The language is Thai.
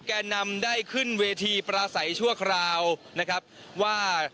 แก่นำได้ขึ้นเวทีปราศัยชั่วคราวนะครับว่า